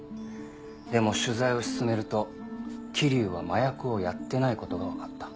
でも取材を進めると桐生は麻薬をやってないことが分かった。